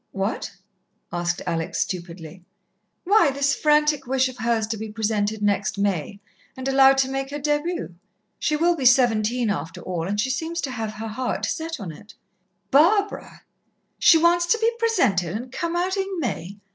"What?" asked Alex stupidly. "Why, this frantic wish of hers to be presented next May and allowed to make her début. She will be seventeen, after all, and she seems to have set her heart on it." "Barbara! She wants to be presented and come out in May!